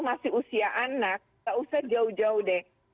masih usia anak tidak usah jauh jauh deh